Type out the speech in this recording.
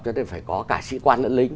cho nên phải có cả sĩ quan lẫn lính